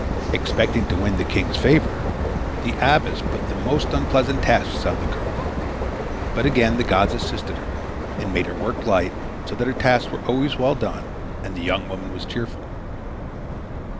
Expecting to win the king's favor, the abbess put the most unpleasant tasks on the girl. But again the gods assisted her and made her work light, so that her tasks were always well done and the young woman was cheerful.